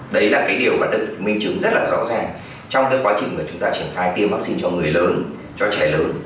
đấy là cái điều mà được minh chứng rất là rõ ràng trong cái quá trình mà chúng ta triển khai tiêm vaccine cho người lớn cho trẻ lớn